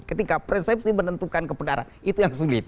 ketika persepsi menentukan kebenaran itu yang sulit